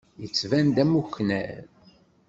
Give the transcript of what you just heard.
Yettban-d am uknar.